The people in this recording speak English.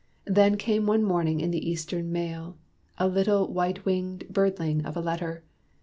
Then came one morning in the Eastern mail, A little white winged birdling of a letter.